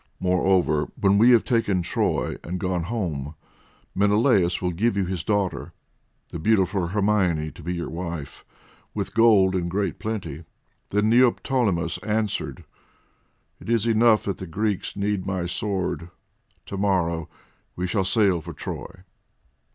Moreover, when we have taken Troy, and gone home, Menelaus will give you his daughter, the beautiful Hermione, to be your wife, with gold in great plenty." Then Neoptolemus answered: "It is enough that the Greeks need my sword. To morrow we shall sail for Troy."